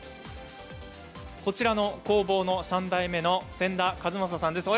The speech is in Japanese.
こちらの工房の３代目の仙田和雅さんです。